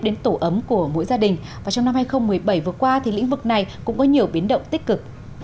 đến tổ ấm của mỗi gia đình và trong năm hai nghìn một mươi bảy vừa qua thì lĩnh vực này cũng có nhiều biến động tích cực